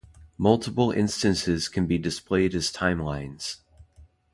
Multiple instances can be displayed as timelines.